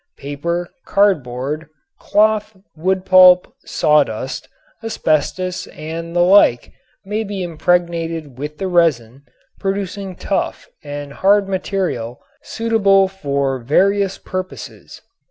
Paper, cardboard, cloth, wood pulp, sawdust, asbestos and the like may be impregnated with the resin, producing tough and hard material suitable for various purposes.